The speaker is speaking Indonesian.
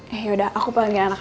yaudah aku panggil anak anak ya